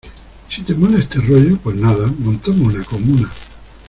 si te mola este rollo, pues nada , montamos una comuna